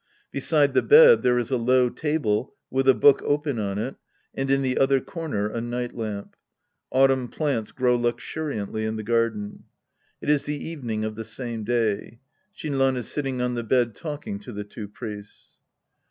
Beside the bed, there is a low table with a book open on it, and in the other corner, a night lamp. Autumn plants grow luxuriantly in the garden. It is the evening of the same day. Shinran is sitting on the bed talk ing to the two Priests.)